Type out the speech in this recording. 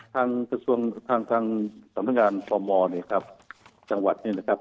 ทางสำนักงานพมจังหวัดนี่นะครับ